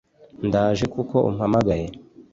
ndaje kuko umpamagaye